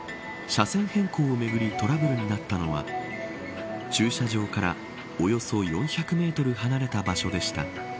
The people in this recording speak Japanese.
車線変更をめぐりトラブルになったのは駐車場からおよそ４００メートル離れた場所でした。